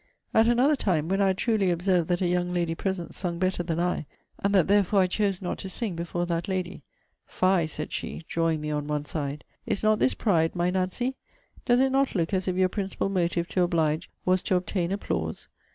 At another time, when I had truly observed that a young lady present sung better than I; and that, therefore, I chose not to sing before that lady 'Fie, said she, (drawing me on one side,) is not this pride, my Nancy? Does it not look as if your principal motive to oblige was to obtain applause?